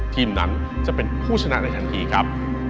ทีมนั้นจะเป็นผู้ชนะในทันทีครับ